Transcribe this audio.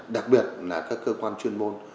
đặc biệt là các cơ quan chuyên môn